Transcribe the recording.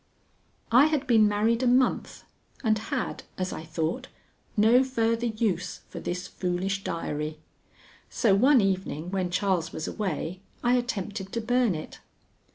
_I had been married a month and had, as I thought, no further use for this foolish diary. So one evening when Charles was away, I attempted to burn it.